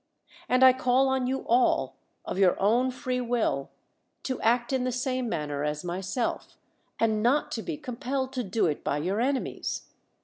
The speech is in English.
And I call on j'ou all, of your own free will, to act in the same manner as myself, and not to be compelled to do it by your enemies.